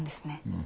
うん。